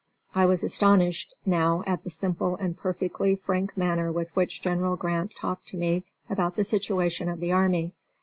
_" I was astonished now at the simple and perfectly frank manner with which General Grant talked to me about the situation of the army.